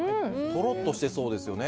とろっとしてそうですね。